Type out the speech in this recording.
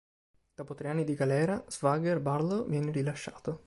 Dopo tre anni di galera, "Swagger" Barlow viene rilasciato.